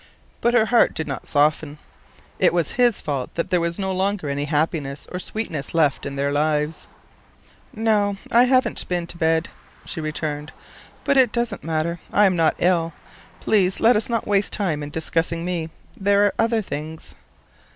But her heart did not soften. It was his fault that there was no longer any happiness or sweetness left in their lives. "No, I haven't been to bed," she returned. "But it doesn't matter. I am not ill. Please let us not waste time in discussing me. There are other things."